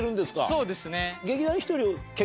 そうですね。